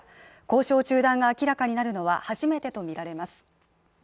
交渉中断が明らかになるのは初めてとみられます。